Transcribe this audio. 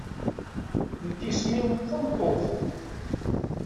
Nekk isem-iw tameṭṭut.